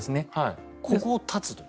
ここを断つと。